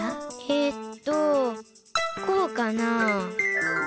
えっとこうかな？